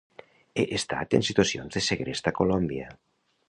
He estat en situacions de segrest a Colòmbia.